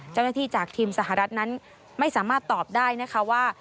เจ้าหน้าที่จากทีมสหรัฐนั้นไม่สามารถตอบได้นะคะว่า